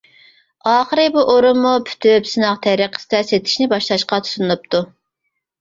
ئاخىرى بۇ ئورۇنمۇ پۈتۈپ سىناق تەرىقىسىدە سېتىشنى باشلاشقا تۇتۇنۇپتۇ.